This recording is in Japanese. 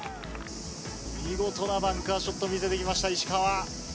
見事なバンカーショット見せてきました、石川。